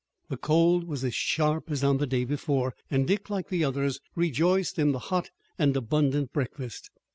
The cold was as sharp as on the day before, and Dick, like the others, rejoiced in the hot and abundant breakfast.